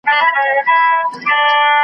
شور وو ګډ په وړو لویو حیوانانو .